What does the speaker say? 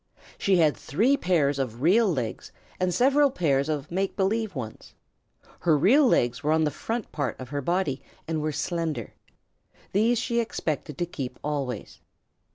She had three pairs of real legs and several pairs of make believe ones. Her real legs were on the front part of her body and were slender. These she expected to keep always.